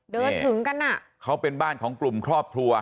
ถึงกันอ่ะเขาเป็นบ้านของกลุ่มครอบครัว